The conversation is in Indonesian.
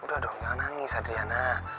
udah dong nangis adriana